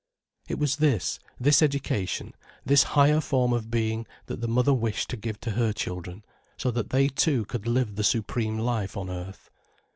It was this, this education, this higher form of being, that the mother wished to give to her children, so that they too could live the supreme life on earth.